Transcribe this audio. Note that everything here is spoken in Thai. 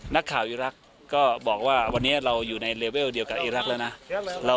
นักข่าวอีรักษ์ก็บอกว่าระวันนี้เราอยู่ในเลเวลเดียวกับอีรักษ์นะ